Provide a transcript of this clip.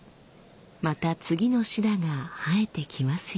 また次のシダが生えてきますように。